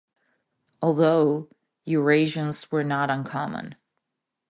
Although Eurasians were not uncommon.